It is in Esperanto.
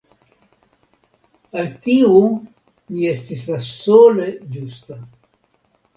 Al tiu mi estis la sole ĝusta!